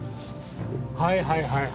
はいはいはいはい。